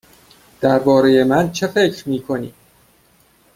درباره من چه فکر می کنی؟